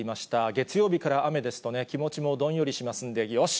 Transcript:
月曜日から雨ですとね、気持ちもどんよりしますんで、よし！